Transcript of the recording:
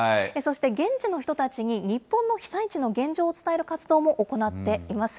そして現地の人たちに日本の被災地の現状を伝える活動も行っています。